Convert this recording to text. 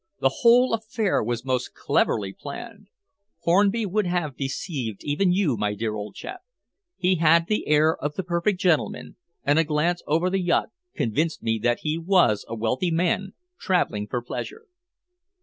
The whole affair was most cleverly planned. Hornby would have deceived even you, my dear old chap. He had the air of the perfect gentleman, and a glance over the yacht convinced me that he was a wealthy man traveling for pleasure."